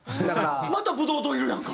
またブドウ糖いるやんか。